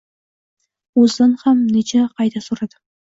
O`zidan ham necha qayta so`radim